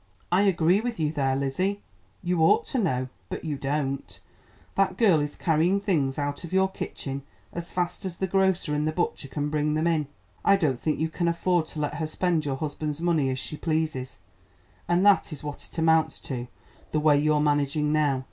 "I agree with you there, Lizzie, you ought to know, but you don't. That girl is carrying things out of your kitchen as fast as the grocer and the butcher can bring them in; I don't think you can afford to let her spend your husband's money as she pleases, and that is what it amounts to the way you're managing now."